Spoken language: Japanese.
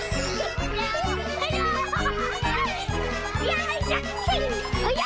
よいしょ！